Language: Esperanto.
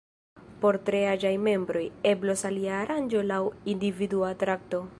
Por tre aĝaj membroj, eblos alia aranĝo laŭ individua trakto.